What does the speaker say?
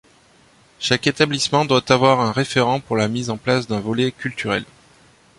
Chaque établissement doit avoir un référent pour la mise en place d’un volet culturel.